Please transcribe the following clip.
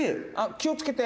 「気を付けて！